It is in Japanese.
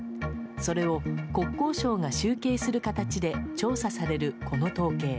それを国交省が集計する形で調査される、この統計。